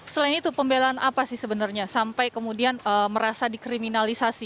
selain itu pembelaan apa sih sebenarnya sampai kemudian merasa dikriminalisasi